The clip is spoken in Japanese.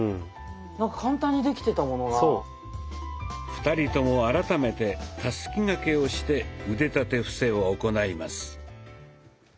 ２人とも改めて「たすき掛け」をして腕立て伏せを行います。